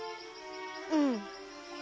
うん。